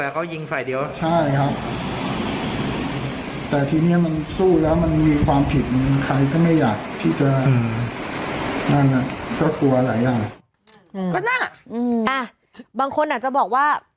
ก็น่ะอ่ะบางคนอ่ะจะบอกว่า